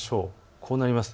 こうなります。